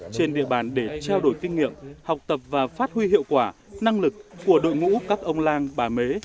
trên địa bàn để trao đổi kinh nghiệm học tập và phát huy hiệu quả năng lực của đội ngũ các ông lan bà mế